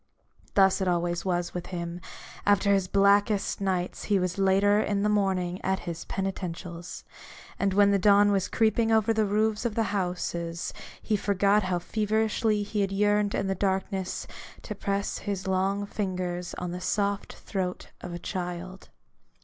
Thus it was always with him : after his blackest nights he was ever in the morning at his penitentials : and when the dawn was creeping over the roofs of the houses, he forgot how feverishly he had yearned in the darkness to press his long fingers on the soft throat of a child.